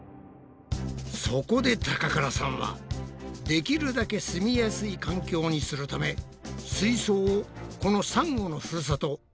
そこで高倉さんはできるだけ住みやすい環境にするため水槽をこのサンゴのふるさと